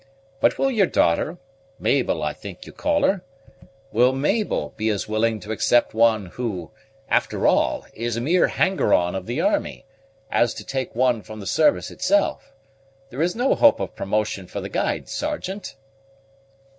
But will your daughter Mabel, I think, you call her will Mabel be as willing to accept one who, after all, is a mere hanger on of the army, as to take one from the service itself? There is no hope of promotion for the guide, Sergeant."